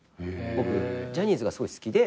僕ジャニーズがすごい好きで。